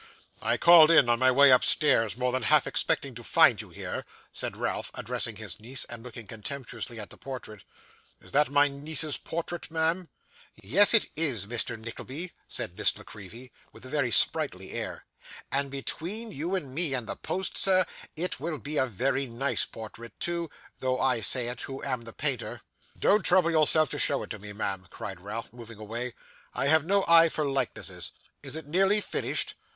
'I called in, on my way upstairs, more than half expecting to find you here,' said Ralph, addressing his niece, and looking contemptuously at the portrait. 'Is that my niece's portrait, ma'am?' 'Yes it is, Mr. Nickleby,' said Miss La Creevy, with a very sprightly air, 'and between you and me and the post, sir, it will be a very nice portrait too, though I say it who am the painter.' 'Don't trouble yourself to show it to me, ma'am,' cried Ralph, moving away, 'I have no eye for likenesses. Is it nearly finished?